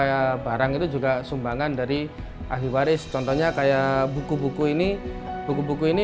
kayak barang itu juga sumbangan dari ahli waris contohnya kayak buku buku ini buku buku ini